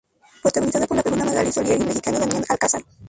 Protagonizada por la peruana Magaly Solier y el mexicano Damián Alcázar.